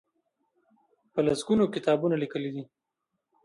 په لس ګونو کتابونه لیکلي دي.